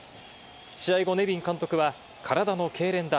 試合後、ネビン監督は体のけいれんだ。